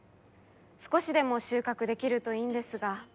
少しでも収穫できるといいんですが。